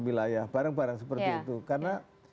wilayah bareng bareng seperti itu karena